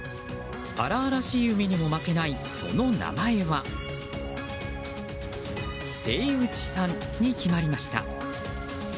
荒々しい海にも負けないその名前はせいうちさんに決まりました。